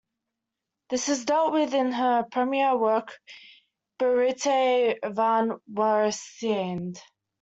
This is dealt with in her premier work Berigte van weerstand.